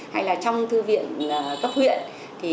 hay là kiêm cả đánh trống này hay là kiêm cả thủ quỹ này ví dụ như thế